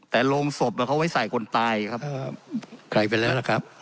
แต่โรงศพเขาไว้ใส่คนตายครับใครไปแล้วล่ะครับ